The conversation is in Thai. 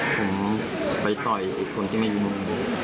ผมไปต่อยคนที่ไม่ยิงมุน